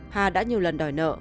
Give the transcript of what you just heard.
hà đã nhiều lần đòi nợ